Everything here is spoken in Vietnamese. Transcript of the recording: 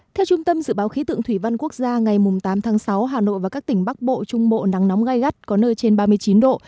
theo trung tâm dự báo khí tượng thủy văn quốc gia ngày tám tháng sáu hà nội và các tỉnh bắc bộ trung bộ nắng nóng gai gắt có nơi trên ba mươi chín độ